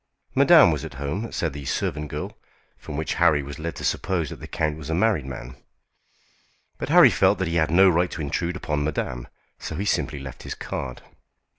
Madame was at home, said the servant girl, from which Harry was led to suppose that the count was a married man; but Harry felt that he had no right to intrude upon madame, so he simply left his card.